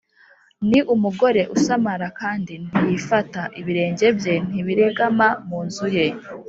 ni umugore usamara kandi ntiyifata, ibirenge bye ntibiregama mu nzu ye